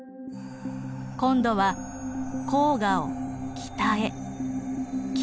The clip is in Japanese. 今度は黄河を北へ北へ。